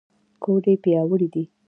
ګوډې پیاوړې دي.